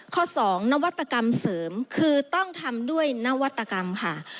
ข้อ๒นวัตกรรมเสริมคือต้องทำด้วยนวัตกรรมค่ะ